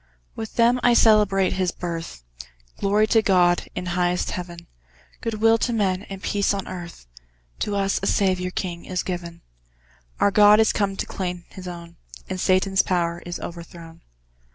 With them I celebrate His birth Glory to God, in highest Heaven, Good will to men, and peace on earth, To us a Saviour king is given; Our God is come to claim His own, And Satan's power is overthrown!